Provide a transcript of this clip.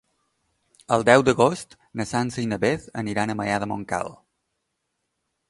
El deu d'agost na Sança i na Beth aniran a Maià de Montcal.